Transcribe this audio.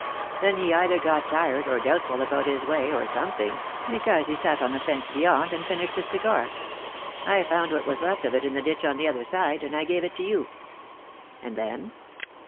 Then he either got tired, or doubtful about his way, or something, because he sat on the fence beyond and finished his agar. I found what was left of it in the ditch on the other side, and I gave it to you." " And then